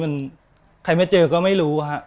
มันใครไม่เจอก็ไม่รู้ฮะ